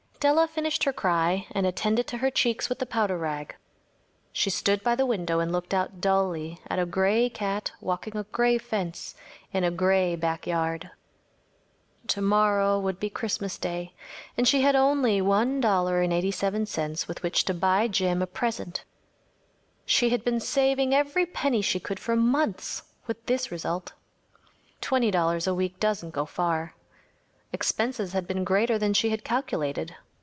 Della finished her cry and attended to her cheeks with the powder rag. She stood by the window and looked out dully at a gray cat walking a gray fence in a gray backyard. Tomorrow would be Christmas Day, and she had only $1.87 with which to buy Jim a present. She had been saving every penny she could for months, with this result. Twenty dollars a week doesn’t go far. Expenses had been greater than she had calculated.